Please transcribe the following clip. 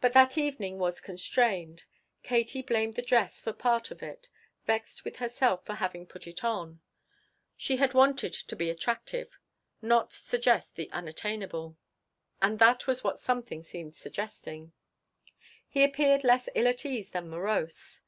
But their evening was constrained. Katie blamed the dress for part of it, vexed with herself for having put it on. She had wanted to be attractive not suggest the unattainable. And that was what something seemed suggesting. He appeared less ill at ease than morose.